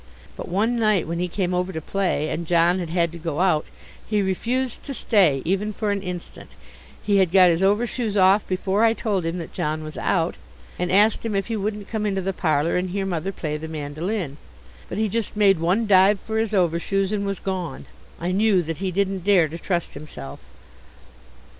But one night, when he came over to play and John had had to go out, he refused to stay even for an instant. He had got his overshoes off before I told him that John was out, and asked him if he wouldn't come into the parlour and hear Mother play the mandoline, but he just made one dive for his overshoes and was gone. I knew that he didn't dare to trust himself.